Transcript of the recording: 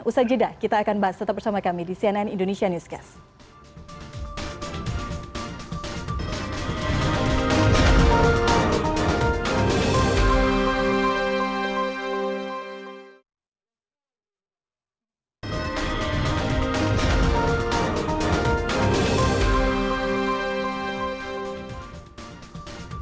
usha jeddah kita akan bahas tetap bersama kami di cnn indonesia newscast